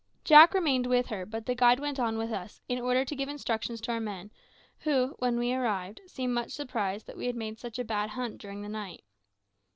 Jack remained with her, but the guide went on with us, in order to give instructions to our men, who, when we arrived, seemed much surprised that we had made such a bad hunt during the night.